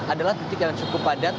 adalah titik yang cukup padat